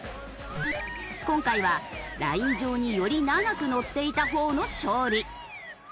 今回はライン上により長くのっていた方の勝利。